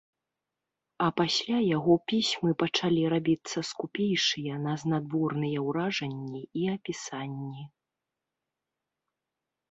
А пасля яго пісьмы пачалі рабіцца скупейшыя на знадворныя ўражанні і апісанні.